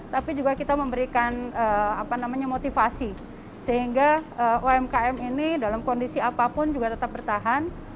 tapi juga kita memberikan motivasi sehingga umkm ini dalam kondisi apapun juga tetap bertahan